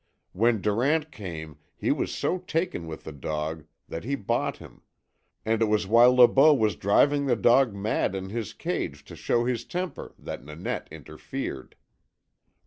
When Durant came he was so taken with the dog that he bought him, and it was while Le Beau was driving the dog mad in his cage to show his temper that Nanette interfered.